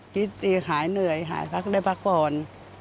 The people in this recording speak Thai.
ตีหายเหนื่อยหายพักได้พักผ่อน